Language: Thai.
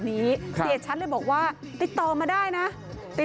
ลีลาอักความพิ้วเทียบกันดูซิ